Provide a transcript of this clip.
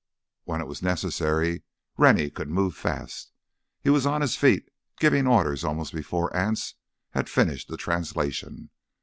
When it was necessary Rennie could move fast. He was on his feet giving orders almost before Anse had finished the translation.